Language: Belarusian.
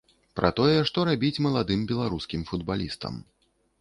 Пра тое, што рабіць маладым беларускім футбалістам.